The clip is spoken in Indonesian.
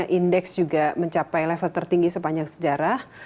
bursa efek indonesia juga mencapai level tertinggi sepanjang sejarah